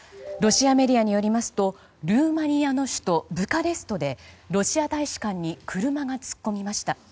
ロシアメディアによりますとルーマニアの首都ブカレストでロシア大使館に車が突っ込みました。